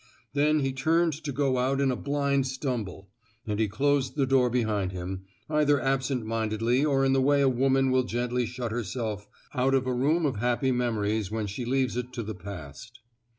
Then he turned to go out in a blind stumble; and he closed the door behind him, either absent mindedly or in the way a woman will gently shut herself out of a room of happy mem ories when she leaves it to the past.